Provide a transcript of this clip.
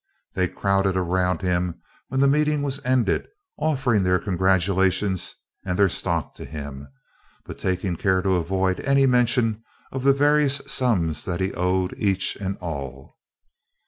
They crowded around him when the meeting was ended, offering their congratulations and their stock to him, but taking care to avoid any mention of the various sums that he owed each and all.